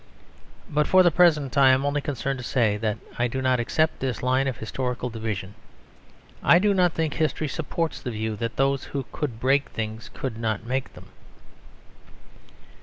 But, for the present, I am only concerned to say that I do not accept this line of historical division. I do not think history supports the view that those who could break things could not make them.